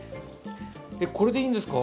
えっこれでいいんですか？